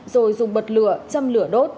rồi dùng bật lửa châm lửa đốt